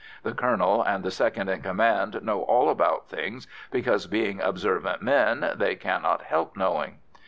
The colonel and the second in command know all about things because, being observant men, they cannot help knowing.